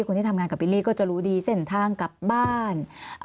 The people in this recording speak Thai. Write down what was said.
คนที่ทำงานกับบิลลี่ก็จะรู้ดีเส้นทางกลับบ้าน